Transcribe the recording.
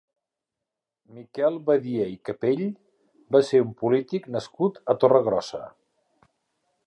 Miquel Badia i Capell va ser un polític nascut a Torregrossa.